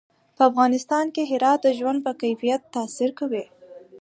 په افغانستان کې هرات د ژوند په کیفیت تاثیر کوي.